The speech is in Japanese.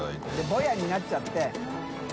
ボヤになっちゃって。